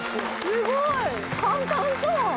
すごい簡単そう！